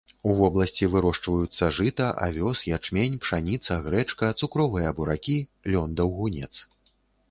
У вобласці вырошчваюцца жыта, авёс, ячмень, пшаніца, грэчка, цукровыя буракі, лён-даўгунец.